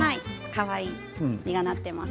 かわいい実がなっています。